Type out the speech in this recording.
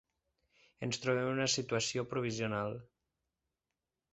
Ens trobem en una situació provisional.